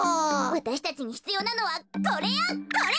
わたしたちにひつようなのはこれよこれ！